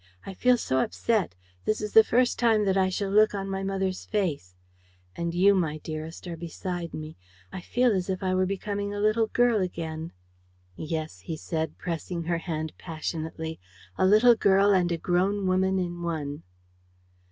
I feel so upset. This is the first time that I shall look on my mother's face ... and you, my dearest, are beside me. ... I feel as if I were becoming a little girl again." "Yes," he said, pressing her hand passionately, "a little girl and a grown woman in one."